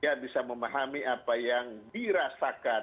dia bisa memahami apa yang dirasakan